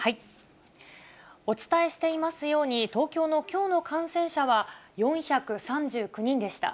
お伝えしていますように、東京のきょうの感染者は４３９人でした。